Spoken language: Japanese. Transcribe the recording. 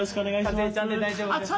かずえちゃんで大丈夫ですよ。